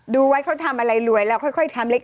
ดูไว้เขาทำอะไรรวยเราค่อยทำเล็ก